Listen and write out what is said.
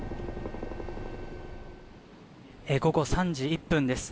午後３時１分です。